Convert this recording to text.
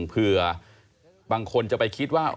เผื่อบางคนจะไปคิดว่า